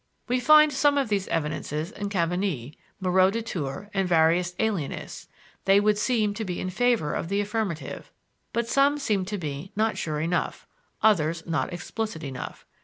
We find some of these evidences in Cabanis, Moreau de Tours and various alienists; they would seem to be in favor of the affirmative, but some seem to me not sure enough, others not explicit enough.